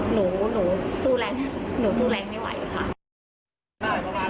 หนูสู้แรงหนูสู้แรงไม่ไหวค่ะ